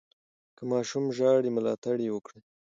که ماشوم ژاړي، ملاتړ یې وکړئ.